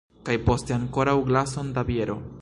Kaj poste ankoraŭ glason da biero!